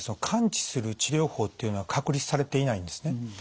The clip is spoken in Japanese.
完治する治療法っていうのは確立されていないんですね。